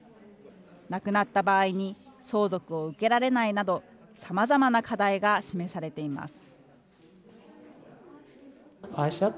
亡くなった場合に、相続を受けられないなど、さまざまな課題が示されています。